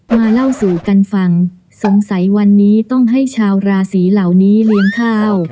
เล่าสู่กันฟังสงสัยวันนี้ต้องให้ชาวราศีเหล่านี้เลี้ยงข้าว